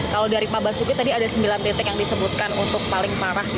kalau dari pak basuki tadi ada sembilan titik yang disebutkan untuk paling parah